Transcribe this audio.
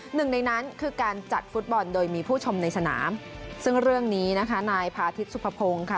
หนึ่งในนั้นคือการจัดฟุตบอลโดยมีผู้ชมในสนามซึ่งเรื่องนี้นะคะนายพาทิตยสุภพงศ์ค่ะ